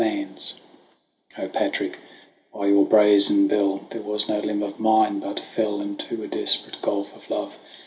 72 THE WANDERINGS OF OISIN Patric, by your brazen bell, There was no limb of mine but fell Into a desperate gulph of love